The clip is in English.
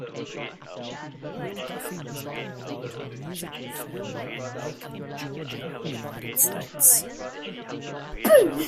McDuffie was born into a musical family in Macon, Georgia, United States.